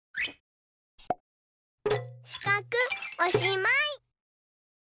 しかくおしまい。